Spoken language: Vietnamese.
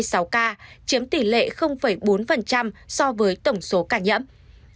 tổng số ca tử vong xếp thứ hai mươi bốn trên hai trăm hai mươi bảy vùng lãnh thổ